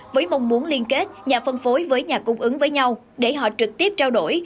với mong muốn liên kết nhà phân phối với nhà cung ứng với nhau để họ trực tiếp trao đổi